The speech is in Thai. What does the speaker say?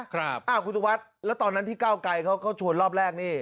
คุณสุวัสดิ์แล้วตอนนั้นที่เก้าไกรเขาชวนรอบแรกนี่